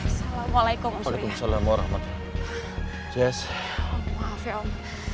assalamualaikum waalaikumsalam warahmatullah yes om maaf ya om